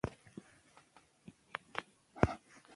بادي انرژي د افغانستان د صادراتو برخه ده.